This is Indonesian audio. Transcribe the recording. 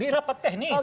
di rapat teknis